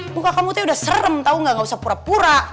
muka kamu tuh udah serem tau gak usah pura pura